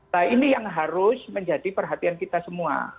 nah ini yang harus menjadi perhatian kita semua